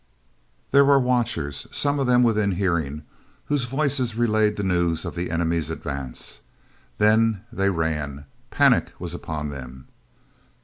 There were watchers, some of them within hearing, whose voices relayed the news of the enemy's advance. Then they ran; panic was upon them.